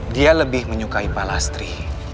dia lebih menyukai palastri